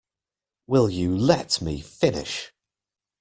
Will you let me finish?